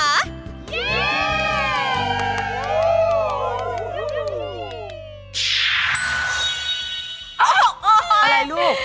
อะไรลูก